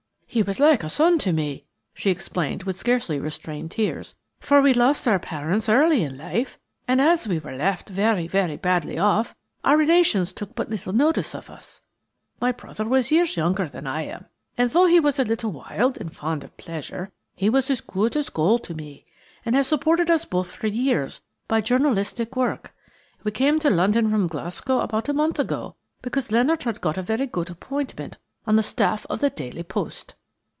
"He was like a son to me," she explained with scarcely restrained tears, "for we lost our parents early in life, and as we were left very, very badly off, our relations took but little notice of us. My brother was years younger than I am–and though he was a little wild and fond of pleasure, he was as good as gold to me, and has supported us both for years by journalistic work. We came to London from Glasgow about a month ago, because Leonard got a very good appointment on the staff of the 'Daily Post.'"